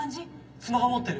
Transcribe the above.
スマホ持ってる？